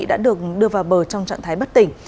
đã được đưa vào bờ trong trạng thái bất tỉnh